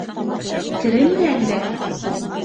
Тереме әллә?